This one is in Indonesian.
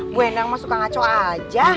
bu hendang masuk kangaco aja